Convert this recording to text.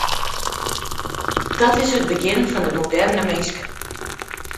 Dat is it begjin fan de moderne minske.